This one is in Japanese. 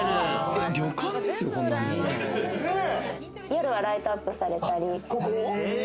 夜はライトアップされたり。